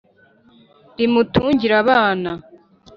Rimutungire abana.